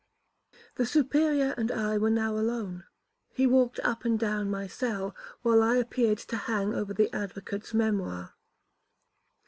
The Superior and I were now alone. He walked up and down my cell, while I appeared to hang over the advocate's memoir.